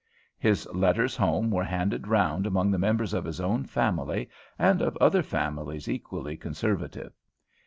His letters home were handed round among the members of his own family and of other families equally conservative.